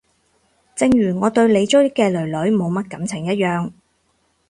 正如我對你追嘅囡囡冇乜感情一樣